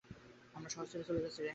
আমরা শহর ছেড়ে চলে যাচ্ছি, হ্যাংক।